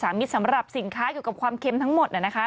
มิตรสำหรับสินค้าเกี่ยวกับความเค็มทั้งหมด